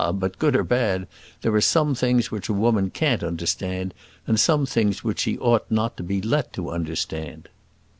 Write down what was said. but good or bad, there are some things which a woman can't understand, and some things which she ought not to be let to understand."